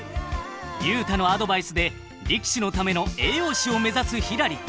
竜太のアドバイスで力士のための栄養士を目指すひらり。